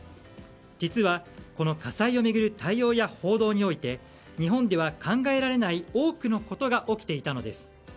実は、この火災を巡る対応や報道において日本では考えられない多くのことが起きていたのです。